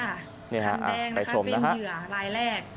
คันแดงนะคะวิ่งเหนือลายแรก